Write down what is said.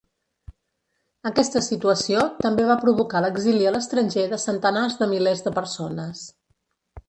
Aquesta situació també va provocar l'exili a l'estranger de centenars de milers de persones.